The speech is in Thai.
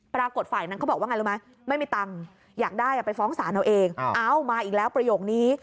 ปรากฏฝ่ายนั้นเขาบอกว่าไงรู้ไหมไม่มีตังค์อยากได้ไปฟ้องศาลเอาเองเอ้ามาอีกแล้วประโยคนี้